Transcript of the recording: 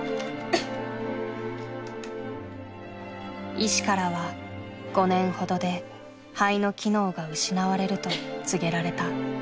医師からは５年ほどで肺の機能が失われると告げられた。